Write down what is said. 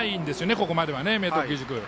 ここまでの明徳義塾は。